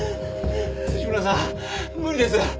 村さん無理です。